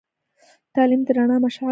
تعلیم د رڼا مشعل دی.